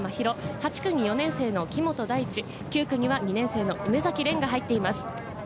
８区に４年生の木本大地、９区には２年生の梅崎蓮が入っています。